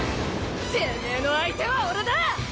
てめぇの相手は俺だ！